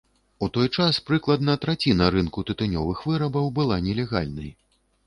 У той час прыкладна траціна рынку тытунёвых вырабаў была нелегальнай.